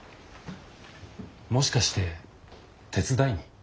もしかして手伝いに？